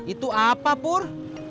itu apa pur